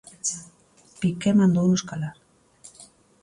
Piqué mandounos calar.